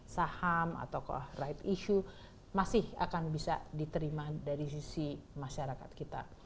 saham atau right issue masih akan bisa diterima dari sisi masyarakat kita